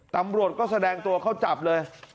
ตำรวจก็แสดงตัวเข้าจับเลย